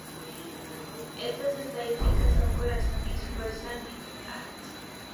Estas estadísticas son: Corazones, Fuerza, Nivel, Armas.